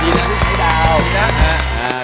ดีแล้วพี่ไทยดาว